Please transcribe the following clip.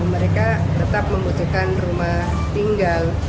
mereka tetap membutuhkan rumah tinggal